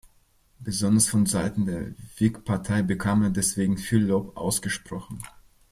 Besonders von seiten der Whigpartei bekam er deswegen viel Lob ausgesprochen.